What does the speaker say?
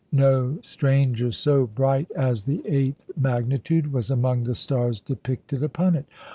No stranger so bright as the eighth magnitude was among the stars depicted upon it.